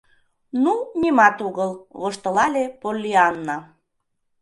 — Ну, нимат огыл, — воштылале Поллианна.